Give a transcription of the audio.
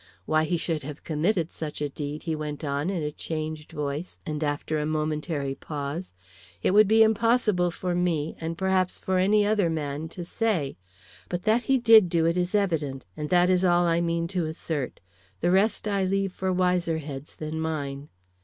Why he should have committed such a deed," he went on, in a changed voice, and after a momentary pause, "it would be impossible for me, and perhaps for any other man, to say; but that he did do it is evident, and that is all I mean to assert. The rest I leave for wiser heads than mine."